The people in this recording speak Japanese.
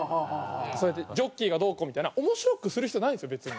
そうやってジョッキーがどうこうみたいな面白くする必要ないんですよ別に。